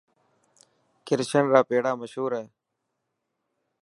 ڪرشن را پيڙا مشهور هي.